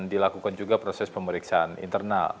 dilakukan juga proses pemeriksaan internal